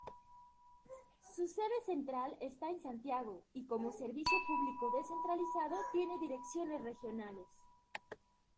Su sede central está en Santiago y como servicio público descentralizado tiene Direcciones Regionales.